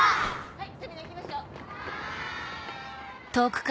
はい！